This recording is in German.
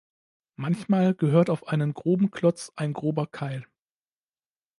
Manchmal gehört auf einen groben Klotz ein grober Keil.